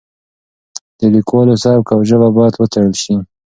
د لیکوالو سبک او ژبه باید وڅېړل شي.